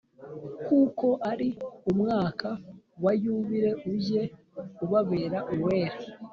Kuko ari umwaka wa yubile ujye ubabera uwera